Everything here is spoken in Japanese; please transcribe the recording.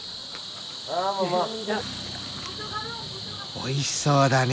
おいしそうだね。